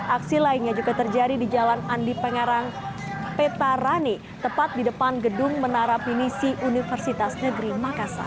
aksi lainnya juga terjadi di jalan andi pangerang petarani tepat di depan gedung menara penisi universitas negeri makassar